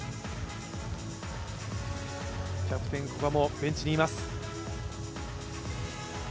キャプテン・古賀もベンチにいます。